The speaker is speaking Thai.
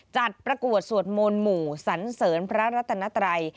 จัดประกวดสวดโมนหมู่สันเสริญพระรัฐนาตราย